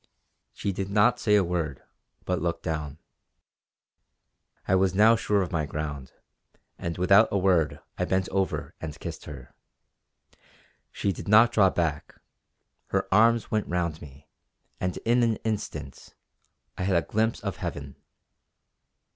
She did not say a word, but looked down. I was now sure of my ground, and without a word I bent over and kissed her. She did not draw back. Her arms went round me; and in an instant I had a glimpse of heaven.